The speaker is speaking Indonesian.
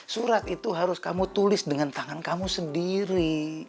surat itu harus kamu tulis dengan tangan kamu sendiri